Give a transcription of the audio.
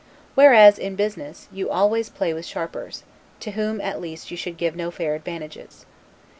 Whereas, in business, you always play with sharpers; to whom, at least, you should give no fair advantages.